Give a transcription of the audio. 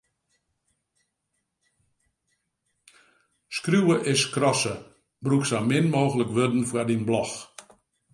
Skriuwe is skrasse: brûk sa min mooglik wurden foar dyn blog.